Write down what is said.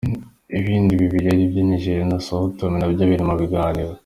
Ibindi bibiri ari byo Nigeria na Sao Tome nabyo biri mu biganiro.